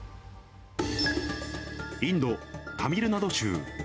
インド・タミルナド州。